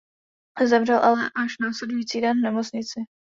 Zemřel ale až následující den v nemocnici.